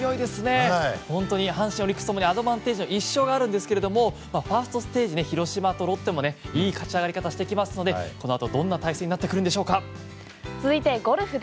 アドバンテージの１勝があるんですけれどもファーストステージで広島とロッテもいい勝ち上がり方していきましたのでこの後どんな戦いになってくるんでしょうか？